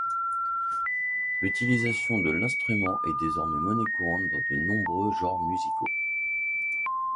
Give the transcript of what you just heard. L'utilisation de l'instrument est désormais monnaie courante dans de nombreux genres musicaux.